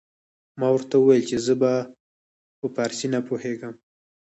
ما ورته وويل چې زه په فارسي نه پوهېږم.